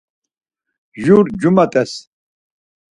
Jur cuma t̆es.